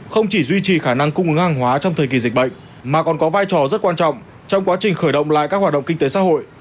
không chỉ duy trì khả năng cung ứng hàng hóa trong thời kỳ dịch bệnh mà còn có vai trò rất quan trọng trong quá trình khởi động lại các hoạt động kinh tế xã hội